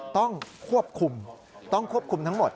ต้องควบคุมต้องควบคุมทั้งหมด